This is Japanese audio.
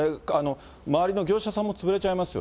周りの業者さんも潰れちゃいますよ。